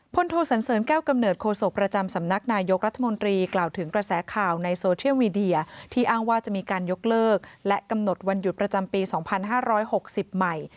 โทสันเสริญแก้วกำเนิดโคศกประจำสำนักนายกรัฐมนตรีกล่าวถึงกระแสข่าวในโซเชียลมีเดียที่อ้างว่าจะมีการยกเลิกและกำหนดวันหยุดประจำปี๒๕๖๐ใหม่